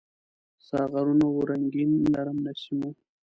ساغرونه وو رنګین ، نرم نسیم و